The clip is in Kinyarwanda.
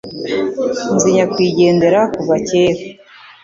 Nzi nyakwigendera kuva kera.